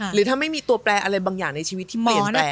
หรือถ้าไม่มีตัวแปลอะไรบางอย่างในชีวิตที่เปลี่ยนแปลง